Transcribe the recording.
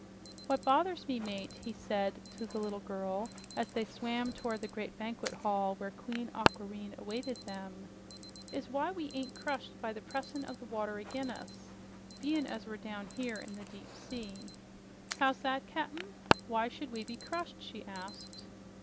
"What bothers me, mate," he said to the little girl as the y swam toward the great banquet hall where Queen Aquareine awaited them, "is why ain't we crushed by the pressin' of the water agin us, bein' as we're down here in the deep sea." "How's that, Cap'n? Why should we be crushed?" she asked.